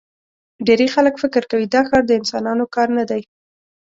ډېری خلک فکر کوي دا ښار د انسانانو کار نه دی.